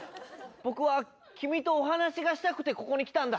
僕は君とお話がしたくてここに来たんだ。